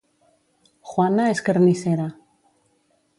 Juana és carnissera